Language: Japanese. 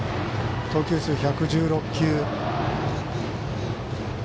投球数１１６球。